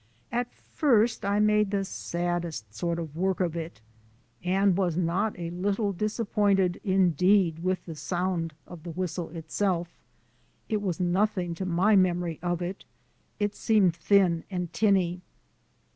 At first I made the saddest sort of work of it, and was not a little disappointed, indeed, with the sound of the whistle itself. It was nothing to my memory of it! It seemed thin and tinny.